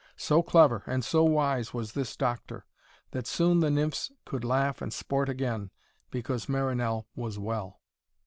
So clever and so wise was this doctor, that soon the nymphs could laugh and sport again because Marinell was well.